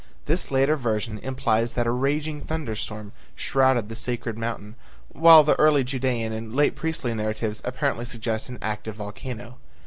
This later version implies that a raging thunder storm shrouded the sacred mountain, while the early Judean and late priestly narratives apparently suggest an active volcano.